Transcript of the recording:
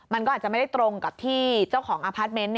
มันก็อาจจะไม่ได้ตรงกับที่เจ้าของอพาร์ทเมนต์